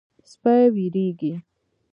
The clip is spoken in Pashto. سپي وېرېږي.